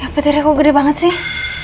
petirnya kok gede banget sih